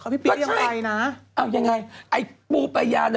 พี่ปิ๊กยังไงนะอ้าวยังไงไอ้ปูเปลี่ยน